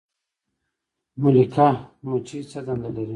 ملکه مچۍ څه دنده لري؟